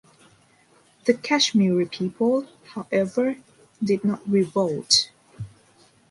The Kashmiri people, however, did not revolt.